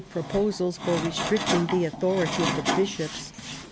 proposals for restricting the authority of the Bishops.